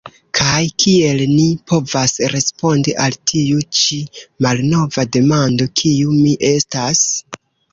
Kaj kiel ni povas respondi al tiu ĉi malnova demando: Kiu mi estas?